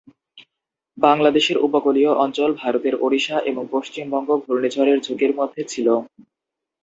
বাংলাদেশের উপকূলীয় অঞ্চল, ভারতের ওড়িশা ও পশ্চিমবঙ্গ ঘূর্ণিঝড়ের ঝুঁকির মধ্যে ছিল।